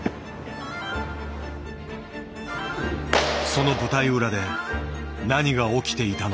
その舞台裏で何が起きていたのか。